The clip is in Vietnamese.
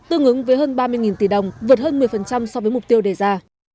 tương ứng với hơn ba mươi tỷ đồng vượt hơn một mươi so với mục tiêu đề ra